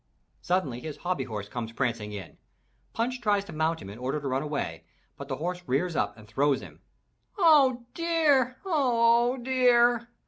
Suddenly his hobby horse comes prancing in. Punch tries to mount him in order to run away but the horse rears up and throws him. "Oh dear! Oh dear!"